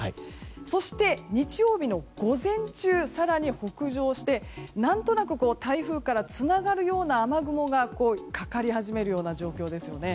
そして、日曜日の午前中更に北上して何となく台風からつながるような雨雲がかかり始めるような状況ですよね。